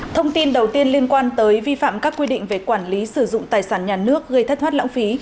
thông tin đầu tiên liên quan tới vi phạm các quy định về quản lý sử dụng tài sản nhà nước gây thất thoát lãng phí